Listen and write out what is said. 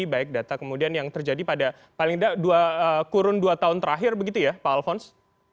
baik data yang terjadi pada kurun dua tahun terakhir pak alfons